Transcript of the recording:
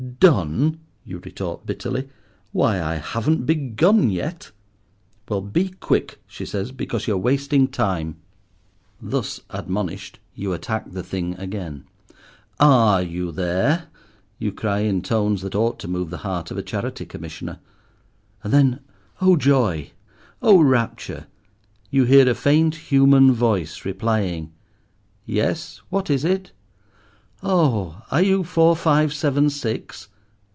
"Done!" you retort bitterly; "why, I haven't begun yet." "Well, be quick," she says, "because you're wasting time." Thus admonished, you attack the thing again. "Are you there?" you cry in tones that ought to move the heart of a Charity Commissioner; and then, oh joy! oh rapture! you hear a faint human voice replying— "Yes, what is it?" "Oh! Are you four five seven six?"